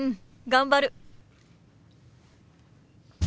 頑張る。